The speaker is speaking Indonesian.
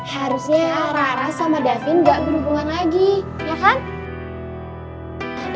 harusnya rara sama davin gak berhubungan lagi ya kan